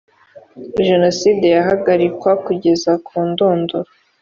jenoside yahagarikwa kugeza kundunduro